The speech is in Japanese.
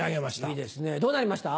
いいですねどうなりました？